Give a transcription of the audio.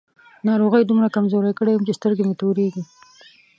ناروغۍ دومره کمزوری کړی يم چې سترګې مې تورېږي.